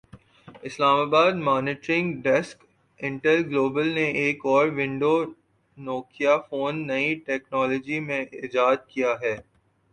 اسلام آباد monitoring desk Intel global نے ایک اور ونڈو نوکیا فون نئی ٹیکنالوجی میں ایجاد کیا ہے